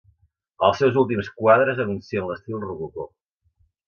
Els seus últims quadres anuncien l'estil rococó.